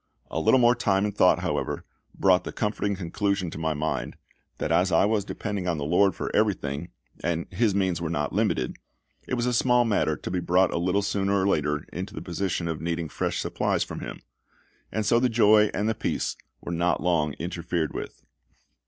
A little more time and thought, however, brought the comforting conclusion to my mind, that as I was depending on the LORD for everything, and His means were not limited, it was a small matter to be brought a little sooner or later into the position of needing fresh supplies from Him; and so the joy and the peace were not long interfered with.